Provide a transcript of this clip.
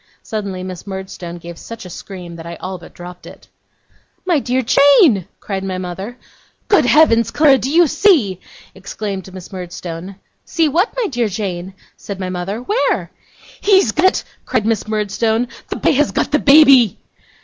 Suddenly Miss Murdstone gave such a scream that I all but dropped it. 'My dear Jane!' cried my mother. 'Good heavens, Clara, do you see?' exclaimed Miss Murdstone. 'See what, my dear Jane?' said my mother; 'where?' 'He's got it!' cried Miss Murdstone. 'The boy has got the baby!